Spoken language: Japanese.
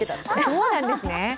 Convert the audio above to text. そうなんですね！